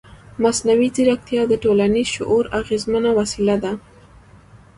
مصنوعي ځیرکتیا د ټولنیز شعور اغېزمنه وسیله ده.